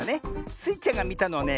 スイちゃんがみたのはね